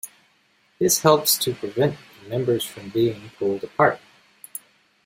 This helps to prevent the members from being pulled apart.